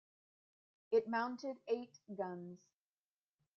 It mounted eight guns.